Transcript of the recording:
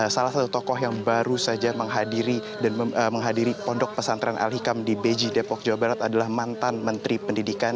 salah satu tokoh yang baru saja menghadiri pondok pesantren al hikam di beji depok jawa barat adalah mantan menteri pendidikan